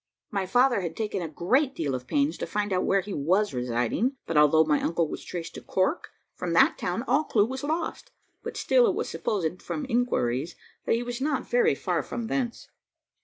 My father had taken a great deal of pains to find out where he was residing; but although my uncle was traced to Cork, from that town all clue was lost, but still it was supposed, from inquiries, that he was not very far from thence.